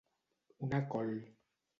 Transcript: Una col